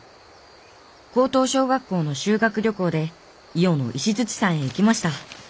高等小学校の修学旅行で伊予の石山へ行きました。